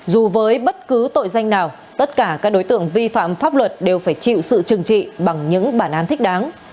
dù với bất cứ tội danh nào tất cả các đối tượng vi phạm pháp luật đều phải chịu sự trừng trị bằng những bản án thích đáng